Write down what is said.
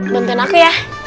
nonton aku ya